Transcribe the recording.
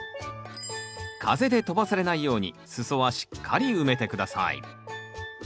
風で飛ばされないように裾はしっかり埋めて下さい。